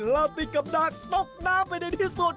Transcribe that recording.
แล้วติดกับนางตกน้ำไปในที่สุด